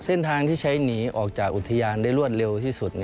เส้นทางที่ใช้หนีออกจากอุทยานได้รวดเร็วที่สุด